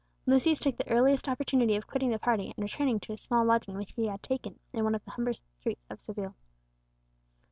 Lucius took the earliest opportunity of quitting the party and returning to a small lodging which he had taken in one of the humbler streets of Seville.